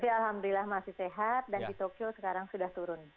alhamdulillah masih sehat dan di tokyo sekarang sudah turun